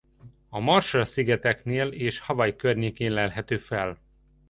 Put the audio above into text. A Marshall-szigeteknél és Hawaii környékén lelhető fel.